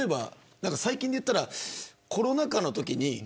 最近でいったらコロナ禍のとき